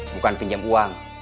bukan pinjam uang